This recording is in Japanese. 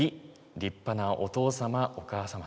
立派なお父様、お母様。